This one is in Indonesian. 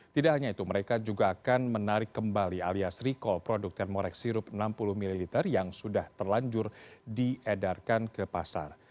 tidak hanya itu mereka juga akan menarik kembali alias recall produk thermorex sirup enam puluh ml yang sudah terlanjur diedarkan ke pasar